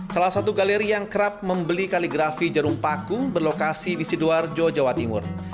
salah satu galeri yang kerap membeli kaligrafi jarum paku berlokasi di sidoarjo jawa timur